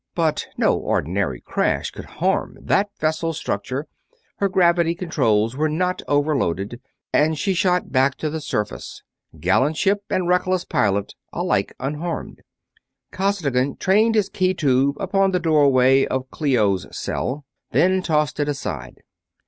But no ordinary crash could harm that vessel's structure, her gravity controls were not overloaded, and she shot back to the surface; gallant ship and reckless pilot alike unharmed. Costigan trained his key tube upon the doorway of Clio's cell, then tossed it aside.